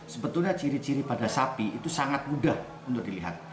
sebetulnya ciri ciri pada sapi itu sangat mudah untuk dilihat